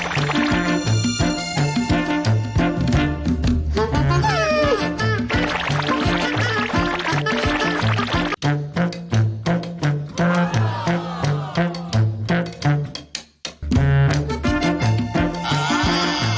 โปรดติดตามตอนต่อไป